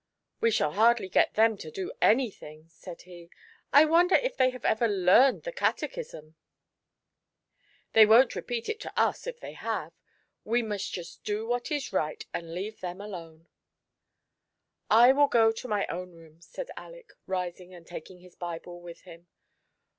*'We shall hardly get them to do anything," said he. I wonder if they have ever learned the Catechism ?"" They won't repeat it to us, if they have. We must just do what is right, and leave them alone." I will go to my own room," said Aleck, rising and taking his Bible with him.